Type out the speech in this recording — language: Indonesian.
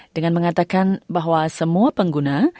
dengan mengatakan bahwa semua pengguna